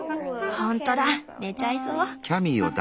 ほんとだ寝ちゃいそう。